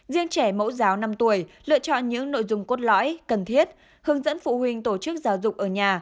riêng trẻ mẫu giáo năm tuổi lựa chọn những nội dung cốt lõi cần thiết hướng dẫn phụ huynh tổ chức giáo dục ở nhà